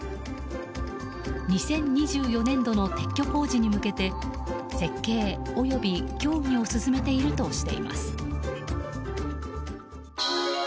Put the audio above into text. ２０２４年度の撤去工事に向けて設計及び協議を進めているとしています。